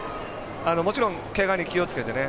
もちろん、けがに気をつけてね。